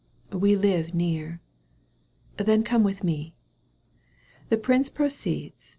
— "We live near." " Then come with me." The prince proceeds.